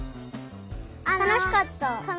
たのしかった！